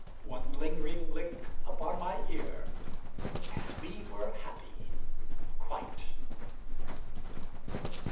One lingering lick upon my ear And we were happy quite.